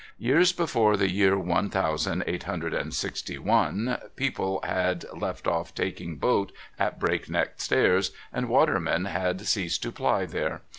Years before the year one thousand eight hundred and sixty one, people had left off taking boat at Break Neck Stairs, and watermen had ceased to ply there.